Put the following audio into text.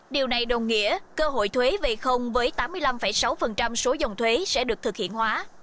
điều này đồng nghĩa cơ hội thuế về không với tám mươi năm sáu số dòng thuế sẽ được thực hiện hóa